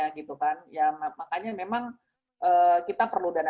ya makanya memang kita perlu dana